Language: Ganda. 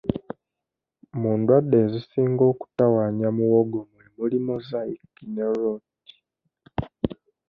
Mu ndwadde ezisinga okutawaanya muwogo mwe muli Mosaic ne Rot.